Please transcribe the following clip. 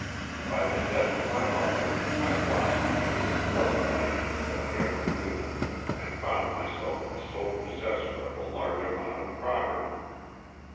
By the death of my mother I lost the only blood re lation that I ever knew and found myself the sole possessor of a large amount of property.